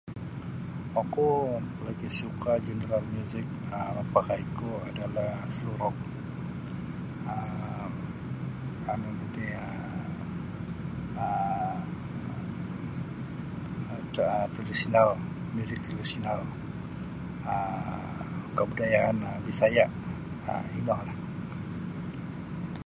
Oku lagi suka' genre muzik um mapakaiku adalah slow rock um nunu ti um tradisional muzik tradisional um kabudayaan Bisaya' um inolah.